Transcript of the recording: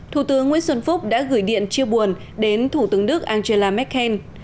thủ tướng nguyễn xuân phúc đã gửi điện chia buồn đến thủ tướng đức angela merkel